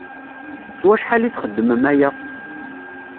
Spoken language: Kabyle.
S wacḥal i txeddmem aya?